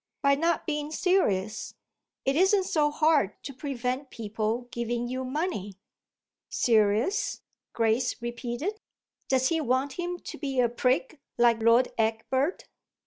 "By not being serious. It isn't so hard to prevent people giving you money." "Serious?" Grace repeated. "Does he want him to be a prig like Lord Egbert?"